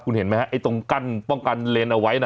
คุณเห็นไหมฮะไอ้ตรงกั้นป้องกันเลนเอาไว้นะ